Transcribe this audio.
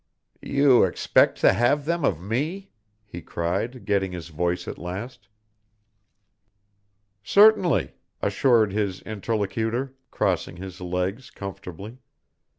"You expect to have them of me!" he cried, getting his voice at last. "Certainly," assured his interlocutor, crossing his legs comfortably.